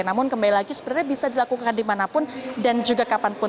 namun kembali lagi sebenarnya bisa dilakukan dimanapun dan juga kapanpun